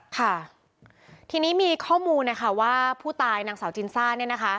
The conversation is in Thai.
ค่ะทีนี้มีข้อมูลว่าผู้ตายนางสาวจินซ่าน